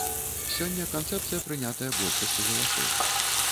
Сёння канцэпцыя прынятая большасцю галасоў.